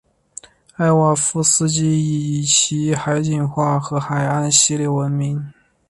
艾瓦佐夫斯基以其海景画和海岸系列闻名。